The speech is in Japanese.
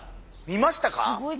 見ました。